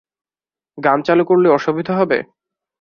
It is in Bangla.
গান চালু করলে অসুবিধা হবে?